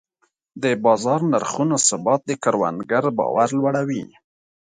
د بازار نرخونو ثبات د کروندګر باور لوړوي.